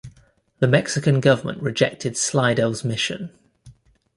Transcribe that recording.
The Mexican government rejected Slidell's mission.